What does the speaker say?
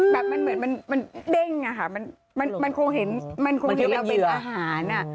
แบบมันเหมือนมันเด้งอะค่ะมันคงเห็นมันคงเห็นเราเป็นอาหาร